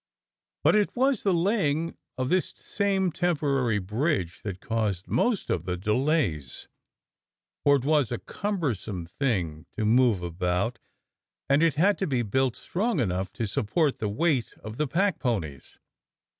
But it was the laying of this same temporary bridge that caused most of the delays, for it was a cumbersome thing to move about, and it had to be built strong enough to support the weight of the packponies.